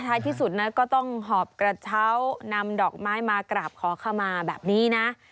ที่สุดนะก็ต้องหอบกระเช้านำดอกไม้มากราบขอขมาแบบนี้นะ